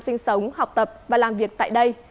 nhiều người việt nam sinh sống học tập và làm việc tại đây